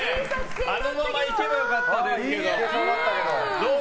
あのままいけば良かったですけど。